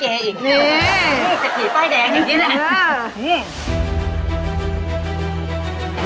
แต่ผีป้ายแดงอย่างนี้แหละ